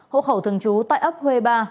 hộ khẩu thường trú tại ấp huê ba